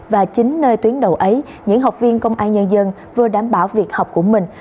và chính nơi tuyến đầu ấy những học viên công an nhân dân vừa đảm bảo việc học của mình